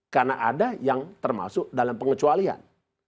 karena ada yang termasuk dalam pengecualian